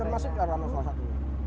termasuk arowana salah satu